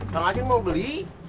kang ajeng mau beli